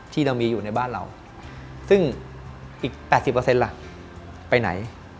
ที่เรามีอยู่ในบ้านเราซึ่งอีก๘๐ล่ะไปไหน